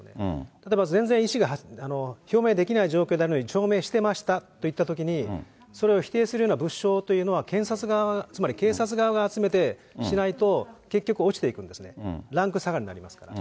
例えば全然医師が表明できない状況であるのに、表明してましたといったときに、それを否定するような物証というのは、検察側、つまり警察側が集めてしないと、結局、落ちていくんですね、ランク下がりになりますから。